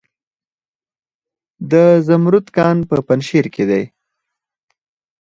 د زمرد کان په پنجشیر کې دی